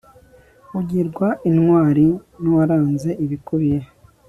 ugirwa intwari n'uwaranze n'ibikubiye